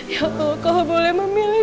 ya allah kalau boleh memilih